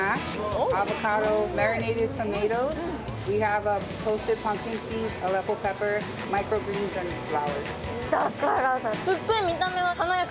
だからだ！